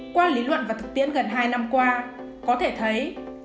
qua lý luận và thực tiễn gần hai năm qua có thể thấy